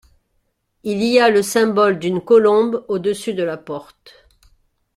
Il y a le symbole d'une colombe au-dessus de la porte.